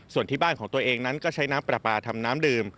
ส่วนที่บ้านของตัวเองนั้นก็ใช้น้ำปลาปลาทำน้ำดื่ม